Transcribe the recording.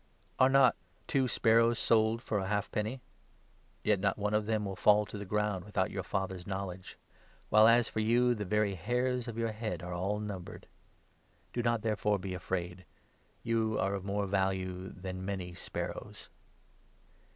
Are not two sparrows sold for a half penny ? Yet not one of them will fall to the ground without your Father's knowledge. While as for you, the very hairs of your head are all numbered. Do not, therefore, be afraid ; you are of more value than many sparrows.